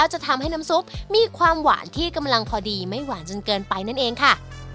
ให้มีความหวานที่กำลังพอดีไม่หวานจนเกินไปนั่นเองค่ะ